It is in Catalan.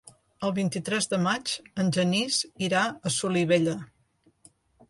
El vint-i-tres de maig en Genís irà a Solivella.